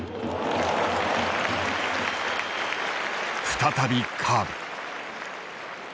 再びカーブ。